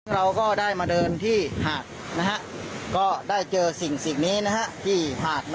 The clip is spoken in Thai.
เราก็ได้มาเดินที่หาดก็ได้เจอสิ่งนี้ที่หาด